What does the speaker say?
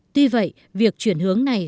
tuy vậy việc chuyển hướng này